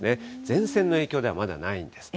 前線の影響ではまだないんです。